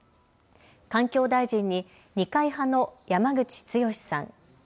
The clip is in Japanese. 環境大臣に二階派の山口壯さん。